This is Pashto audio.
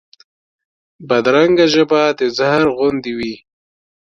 بدرنګه ژبه د زهر غوندې وي